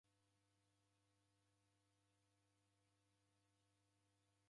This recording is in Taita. Kwaki kusechie shwaw'ori?